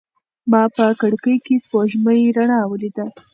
ما په کړکۍ کې د سپوږمۍ رڼا ولیده.